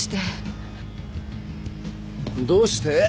どうして。